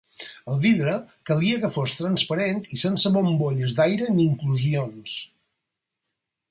El vidre calia que fos transparent i sense bombolles d'aire ni inclusions.